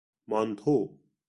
مانتو